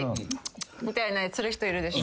みたいなする人いるでしょ。